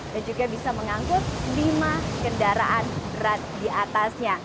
dan juga bisa mengangkut lima kendaraan berat di atasnya